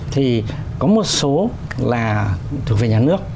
thì có một số là thuộc về nhà nước